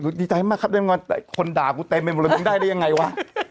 โอ๊ยดีใจมากครับคนด่ากูเต็มไปหมดละมึงได้ได้ยังไงวะ